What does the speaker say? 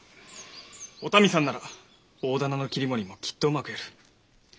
お民さんなら大店の切り盛りもきっとうまくやる。